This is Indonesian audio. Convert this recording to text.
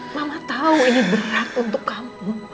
mama tahu ini berat untuk kampung